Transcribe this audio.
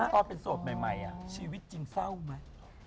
ตอนเป็นโสดใหม่ชีวิตจริงเศร้าไหม